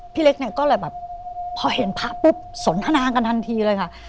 พี่เล็กเนี่ยก็เลยแบบพอเห็นพระปุ๊บสนทนากันทันทีเลยค่ะ